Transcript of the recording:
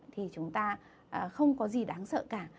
thì chúng ta không có gì đáng sợ cả